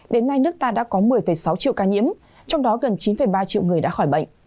đến nay nước ta đã có một mươi sáu triệu ca nhiễm trong đó gần chín ba triệu người đã khỏi bệnh